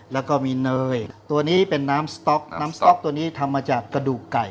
แล้วก็มีเนยตัวนี้เป็นน้ำสต๊อกน้ำสต๊อกตัวนี้ทำมาจากกระดูกไก่